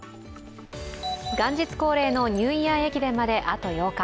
元日恒例のニューイヤー駅伝まで、あと８日。